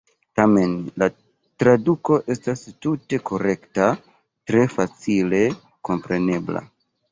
Tamen la traduko estas "tute korekta, tre facile komprenebla.